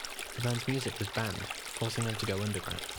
The band's music was banned, forcing them to go underground.